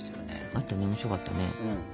あったね面白かったね。